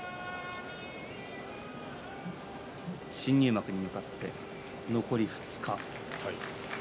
新入幕に向かって残り２日。